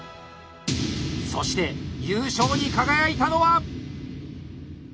そして優勝に輝いたのは。